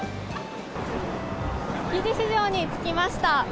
築地市場に着きました。